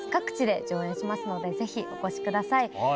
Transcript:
各地で上演しますのでぜひお越しください。